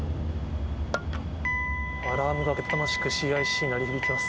アラームがけたたましくＣＩＣに鳴り響きます。